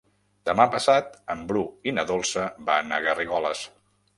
Demà passat en Bru i na Dolça van a Garrigoles.